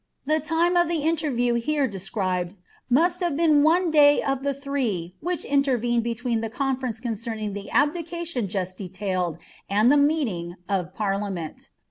The tine of the interview here described must hove been one day of the three which intervened between the conference concerning the abdica tion jnat detailed and the meeting of parliament.